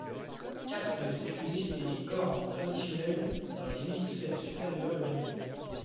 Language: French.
Quatre de ces fusées étaient les cornes traditionnelles dans l'hémisphère supérieur de la mine.